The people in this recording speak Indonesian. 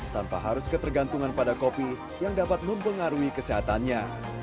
tanpa harus ketergantungan pada kopi yang dapat mempengaruhi kesehatannya